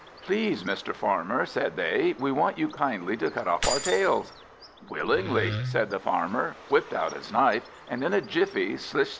"Please, Mr. Farmer," said they, "we want you kindly to cut off our tails." "Willingly," said the Farmer; whipt out his knife, and in a jiffy slish!